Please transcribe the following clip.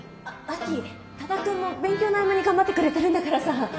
あっ亜紀多田くんも勉強の合間に頑張ってくれてるんだからさ。